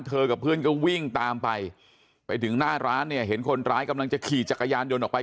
กับเพื่อนก็วิ่งตามไปไปถึงหน้าร้านเนี่ยเห็นคนร้ายกำลังจะขี่จักรยานยนต์ออกไป